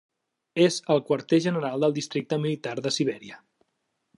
És el quarter general del districte militar de Sibèria.